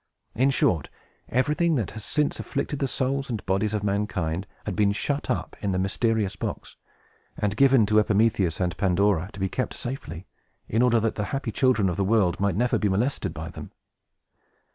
In short, everything that has since afflicted the souls and bodies of mankind had been shut up in the mysterious box, and given to Epimetheus and Pandora to be kept safely, in order that the happy children of the world might never be molested by them.